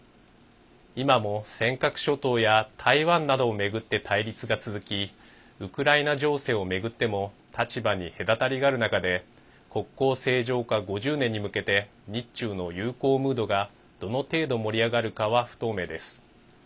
今も尖閣諸島や台湾などを巡って対立が続きウクライナ情勢を巡っても立場に隔たりがある中で国交正常化５０年に向けて日中の友好ムードがどの程度、盛り上がるかは不透明です。